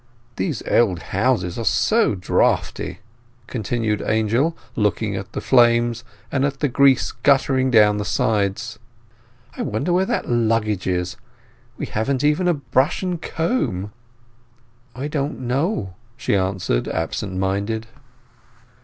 "These old houses are so draughty," continued Angel, looking at the flames, and at the grease guttering down the sides. "I wonder where that luggage is. We haven't even a brush and comb." "I don't know," she answered, absent minded.